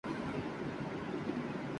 لیکن شروعات ایک عجیب ذہنی کیفیت میں ہوئی۔